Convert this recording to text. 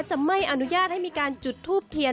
จะไม่อนุญาตให้มีการจุดทูบเทียน